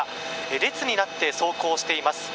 列になって走行しています。